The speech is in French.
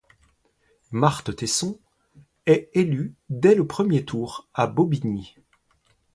Marthe Tesson est élue dès le premier tour à Bobigny.